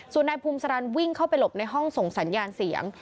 ส่วนนายภูมิสารันวิ่งเข้าไปหลบในห้องส่งสัญญาณเสียง